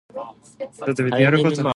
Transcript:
曾孙刘洎。